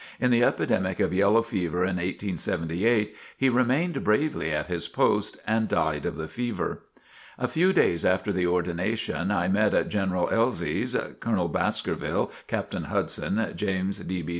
In the epidemic of yellow fever in 1878, he remained bravely at his post and died of the fever. A few days after the ordination, I met at General Elzy's, Colonel Baskerville, Captain Hudson, James D. B.